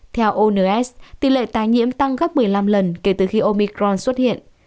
theo ons tỷ lệ tái nhiễm tăng gấp một mươi năm lần kể từ khi omicron xuất hiện